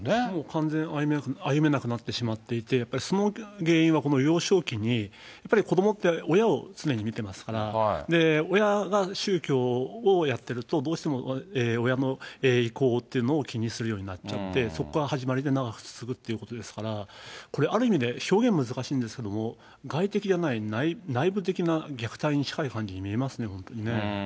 完全に歩めなくなってしまっていて、その原因は、この幼少期に、やっぱり子どもって親を常に見てますから、親が宗教をやってると、どうしても親の意向というのを気にするようになっちゃって、そこが始まりで長く続くということですから、これ、ある意味で表現が難しいんですけれども、外的じゃない、内部的な虐待に近い感じに見えますね、本当にね。